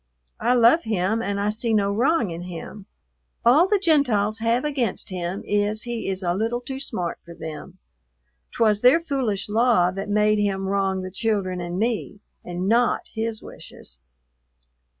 I love him and I see no wrong in him. All the Gentiles have against him is he is a little too smart for them. 'T was their foolish law that made him wrong the children and me, and not his wishes."